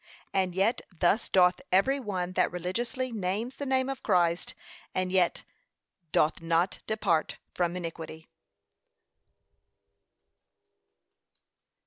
And yet thus doth every one that religiously names the name of Christ, and yet doth not depart from iniquity.